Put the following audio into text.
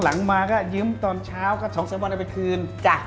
หลังมาก็ยิ้มตอนเช้าก็๒๓วันเอาไปคืนจ้ะ